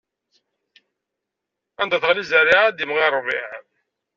Anda teɣli zzerriɛa, ad imɣi ṛṛbiɛ.